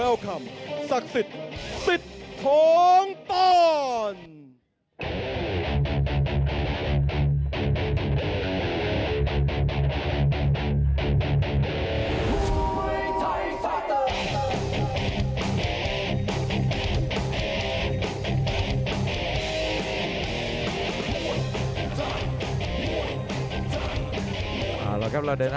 ล็อฟเตอร์และทรูดวอร์